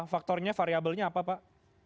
faktornya variabelnya apa pak